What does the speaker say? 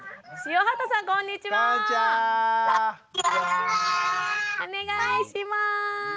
お願いします。